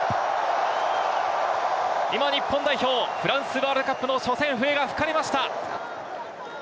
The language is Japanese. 今、日本代表、フランスワールドカップの初戦、笛が吹かれました。